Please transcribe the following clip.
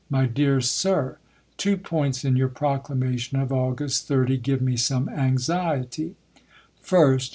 My Dear Sir: Two points in your proclamation of August 30 give me some anxiety : First.